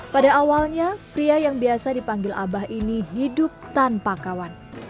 pada awalnya pria yang biasa dipanggil abah ini hidup tanpa kawan